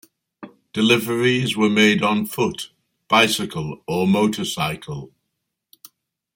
Deliveries were made on foot, bicycle, or motorcycle.